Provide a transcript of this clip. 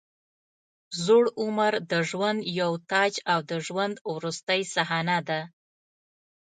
زوړ عمر د ژوند یو تاج او د ژوند وروستۍ صحنه ده.